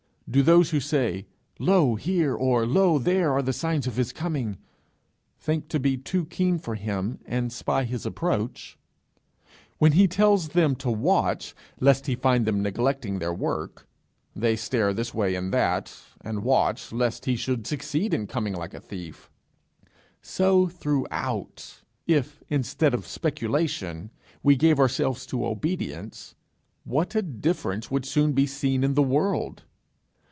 Do those who say, lo here or lo there are the signs of his coming, think to be too keen for him, and spy his approach? When he tells them to watch lest he find them neglecting their work, they stare this way and that, and watch lest he should succeed in coming like a thief! So throughout: if, instead of speculation, we gave ourselves to obedience, what a difference would soon be seen in the world!